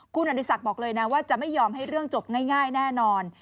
คุณอดีศักดิ์บอกเลยนะว่าจะไม่ยอมให้เรื่องจบง่ายแน่นอน